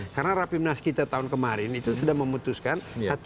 karena rapimnas kita tahun kemarin itu sudah memutuskan